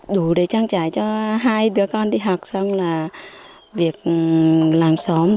đủ để trang trải cho hai đứa con đi học xong là việc làng xóm